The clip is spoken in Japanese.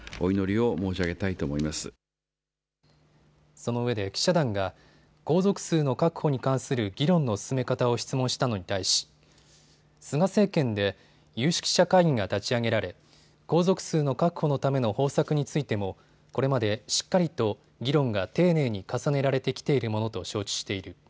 そのうえで記者団が皇族数の確保に関する議論の進め方を質問したのに対し菅政権で有識者会議が立ち上げられ皇族数の確保のための方策についてもこれまで、しっかりと議論が丁寧に重ねられてきているものと承知している。